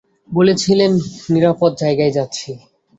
বলেছিলেন নিরাপদ জায়গায় যাচ্ছি।